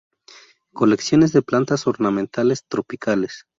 Colecciones de plantas ornamentales tropicales.